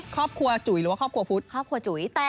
ครอบครัวจุ๋ยหรือว่าครอบครัวพุธ